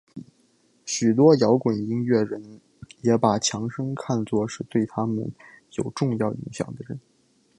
许多摇滚音乐人也把强生看作是对他们有重要影响的人。